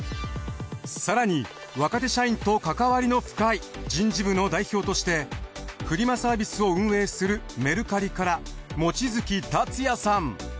更に若手社員と関わりの深い人事部の代表としてフリマサービスを運営するメルカリから望月達也さん。